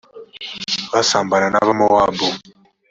basambana n abamowabu